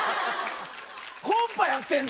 コンパやってんの？